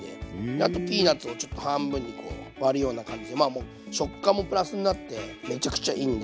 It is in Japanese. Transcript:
あとピーナツをちょっと半分にこう割るような感じでまあ食感もプラスになってめちゃくちゃいいんで。